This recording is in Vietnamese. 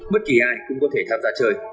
bất kỳ ai cũng có thể tham gia chơi